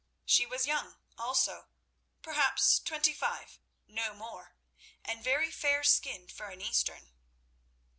She was young also—perhaps twenty five, no more—and very fair skinned for an Eastern.